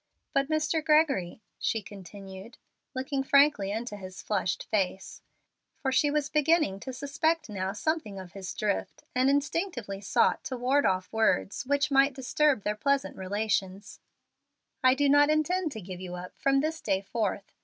But, Mr. Gregory," she continued, looking frankly into his flushed face (for she was beginning to suspect now something of his drift, and instinctively sought to ward off words which might disturb their pleasant relations), "I do not intend to give you up from this day forth.